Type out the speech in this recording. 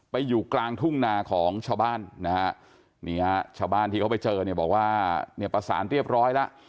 ไปอยู่กลางทุ่งนาของชาวบ้านชาวบ้านที่เขาไปเจอบอกว่าประสานเรียบร้อยแล้ว